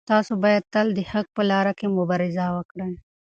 تاسو باید تل د حق په لاره کې مبارزه وکړئ.